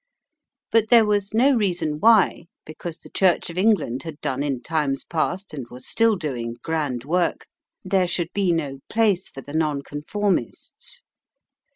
But there was no reason why, because the Church of England had done in times past and was still doing grand work, there should be no place for the Nonconformists.